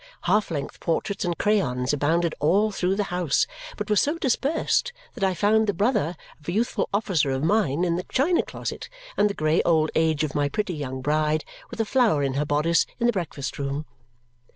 Half length portraits in crayons abounded all through the house, but were so dispersed that I found the brother of a youthful officer of mine in the china closet and the grey old age of my pretty young bride, with a flower in her bodice, in the breakfast room.